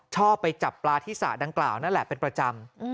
ชอบไปจับปลาที่สระดังกล่าวนั่นแหละเป็นประจำ